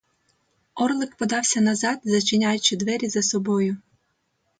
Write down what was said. Орлик подався назад, зачиняючи двері за собою.